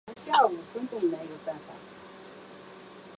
睫毛粗叶木为茜草科粗叶木属下的一个变种。